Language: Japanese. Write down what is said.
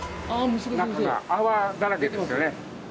材料の中が泡だらけですよね。